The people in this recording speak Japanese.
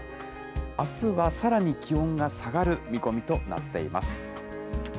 あすはさらに気温が下がる見込みとなっています。